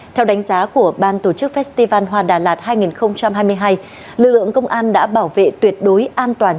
theo đánh giá của ban tổ chức festival hoa đà lạt hai nghìn hai mươi hai lực lượng công an đã bảo vệ tuyệt đối an toàn